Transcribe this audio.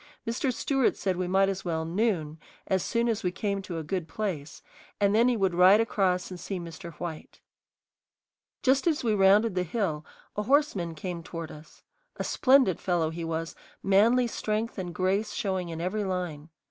Mr. Stewart said we might as well "noon" as soon as we came to a good place, and then he would ride across and see Mr. White. Just as we rounded the hill a horseman came toward us. A splendid fellow he was, manly strength and grace showing in every line.